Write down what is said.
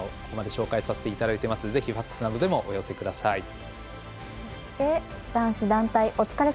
この場で紹介させていただいていますのでメッセージなどでもお寄せください。